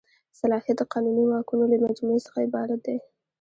صلاحیت د قانوني واکونو له مجموعې څخه عبارت دی.